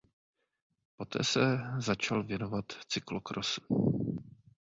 Poté se začal věnovat cyklokrosu.